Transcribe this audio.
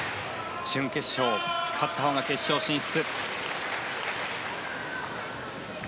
準決勝、勝ったほうが決勝進出。